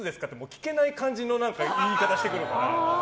聞けない感じの言い方してくるから。